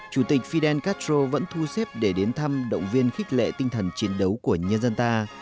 chủ tịch fidel castro vẫn thu xếp để đến thăm động viên khích lệ tinh thần chiến đấu của nhân dân ta